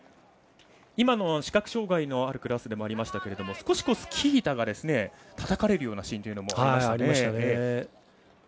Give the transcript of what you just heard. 今の視覚障がいのあるクラスでもありましたけれども少し、スキー板がたたかれるようなシーンもありました。